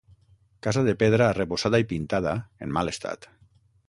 Casa de pedra arrebossada i pintada, en mal estat.